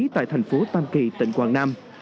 tại thành phố tam kỳ tỉnh quảng nam